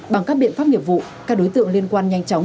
bằng các biện pháp nghiệp vụ các đối tượng liên quan nhanh chóng